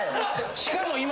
しかも今。